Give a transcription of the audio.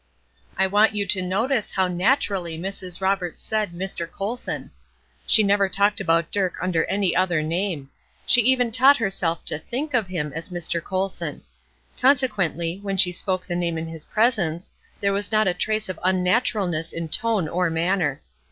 I want you to notice how naturally Mrs. Roberts said "Mr. Colson"; she never talked about Dirk under any other name; she even taught herself to think of him as "Mr. Colson." Consequently, when she spoke the name in his presence, there was not a trace of unnaturalness in tone or manner.